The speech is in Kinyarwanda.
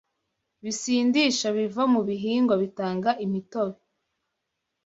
bisindisha biva mu bihingwa bitanga imitobe